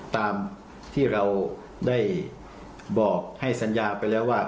ตามที่เราได้บอกให้สัญญาไปแล้วว่า